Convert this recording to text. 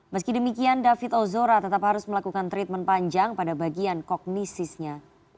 meski demikian david ozora tetap harus melakukan treatment panjang pada bagian kognisisnya